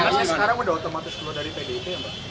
masnya sekarang udah otomatis keluar dari pdip ya mbak